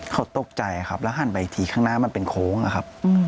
เขาตกใจครับแล้วหันไปอีกทีข้างหน้ามันเป็นโค้งอะครับ